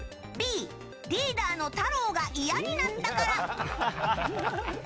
Ｂ、リーダーのタロウが嫌になったから。